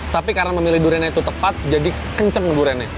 tapi karena memilih duriannya itu tepat jadi kenceng duriannya